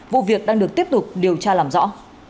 vụ việc đang được tiếp tục điều tra làm rõ